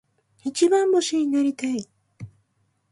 一番星になりたい。